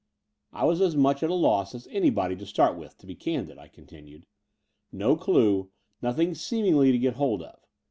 "I was as much at a loss as anybody to start with, to be candid," I continued; no due, nothing seemingly to get hold of.